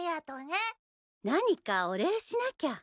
何かお礼しなきゃ。